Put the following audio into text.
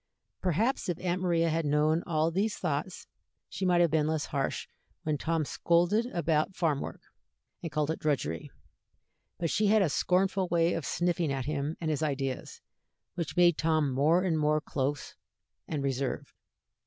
Perhaps if Aunt Maria had known all these thoughts, she might have been less harsh when Tom scolded about farm work, and called it drudgery; but she had a scornful way of sniffing at him and his ideas, which made Tom more and more close and reserved.